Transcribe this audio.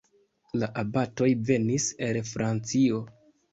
La abatoj venis el Francio.